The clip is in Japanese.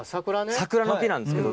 サクラの木なんですけど。